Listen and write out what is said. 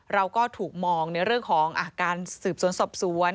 เราก็ถูกมองในเรื่องของการสืบสวนสอบสวน